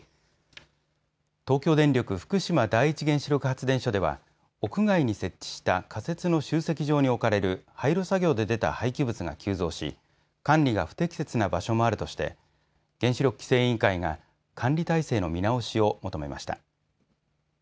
東京電力福島第一原子力発電所では屋外に設置した仮設の集積場に置かれる廃炉作業で出た廃棄物が急増し管理が不適切な場所もあるとして原子力規制委員会が管理態勢の見直しを求めました。